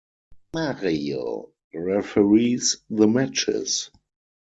Mario referees the matches.